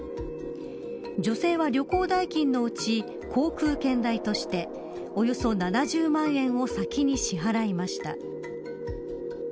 女性は旅行代金のうち航空券代としておよそ７０万円を先に支払いました。